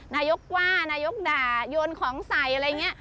นายกว่านายกด่าโยนของใส่อะไรอย่างนี้